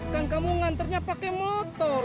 kan kamu nganternya pakai motor